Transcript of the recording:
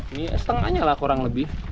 ini setengahnya lah kurang lebih